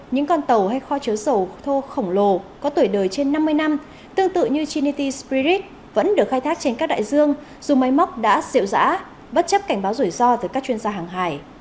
những con tàu hay kho chứa dầu thô khổng lồ có tuổi đời trên năm mươi năm tương tự như trinity spirit vẫn được khai thác trên các đại dương dù máy móc đã diệu giã bất chấp cảnh báo rủi ro từ các chuyên gia hàng hải